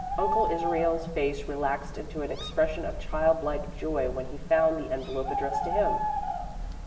Uncle Israel's face relaxed into an expression of childlike joy when he found the envelope addressed to him.